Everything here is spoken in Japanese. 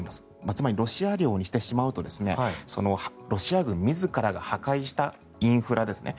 つまり、ロシア領にしてしまうとロシア軍自らが破壊したインフラですね